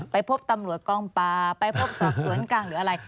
ไปพบตำรวจกองป่าไปพบสอบสวนกลางหรืออะไร